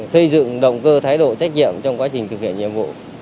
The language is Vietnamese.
xây dựng động cơ thái độ trách nhiệm trong quá trình thực hiện nhiệm vụ